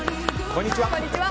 こんにちは。